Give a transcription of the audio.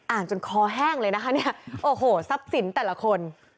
จนคอแห้งเลยนะคะเนี่ยโอ้โหทรัพย์สินแต่ละคน